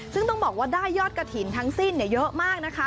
ซึ่งต้องบอกว่าได้ยอดกระถิ่นทั้งสิ้นเยอะมากนะคะ